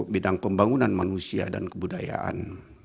bidang pembangunan manusia dan kebudayaan